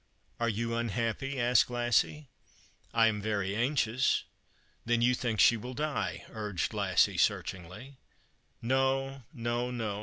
" Are you unhappy ?" asked Lassie. " I am very anxious." " Then you think she will die ?" urged Lassie, searchingly. " No, no, no.